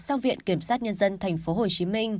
sang viện kiểm sát nhân dân tp hcm